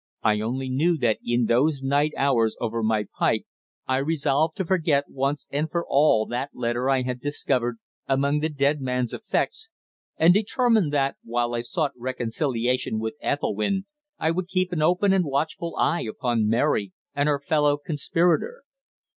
I only know that in those night hours over my pipe I resolved to forget once and for all that letter I had discovered among the "dead" man's effects, and determined that, while I sought reconciliation with Ethelwynn, I would keep an open and watchful eye upon Mary and her fellow conspirator.